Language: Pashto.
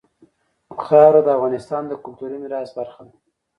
خاوره د افغانستان د کلتوري میراث برخه ده.